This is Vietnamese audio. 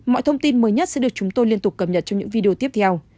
mọi thông tin mới nhất sẽ được chúng tôi liên tục cập nhật trong những video tiếp theo